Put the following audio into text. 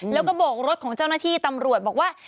แล้วก็โบกรถของเจ้าหน้าที่ตำรวจบอกว่า